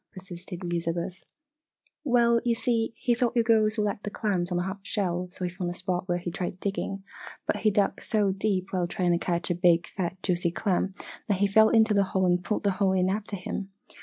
persisted Elizabeth. "Well, you see, he thought you girls would like clams on the half shell so he found a spot where he tried digging. But he dug so deep while trying to catch a big fat juicy clam, that he fell into the hole and pulled the hole in after him.